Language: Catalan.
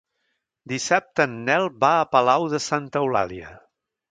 Dissabte en Nel va a Palau de Santa Eulàlia.